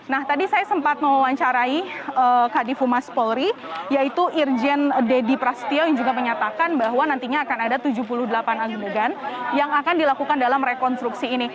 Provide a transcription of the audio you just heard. nah tadi saya sempat mewawancarai kadifu mas polri yaitu irjen deddy prasetyo yang juga menyatakan bahwa nantinya akan ada tujuh puluh delapan agedean yang akan dilakukan dalam rekonstruksi ini